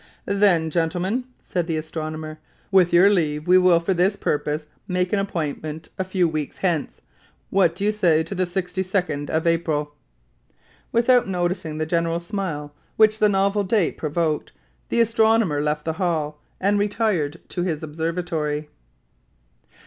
"Then, gentlemen," said the astronomer, "with your leave we will for this purpose make an appointment a few weeks hence. What do you say to the 62d of April?" Without noticing the general smile which the novel date provoked, the astronomer left the hall, and retired to his observatory.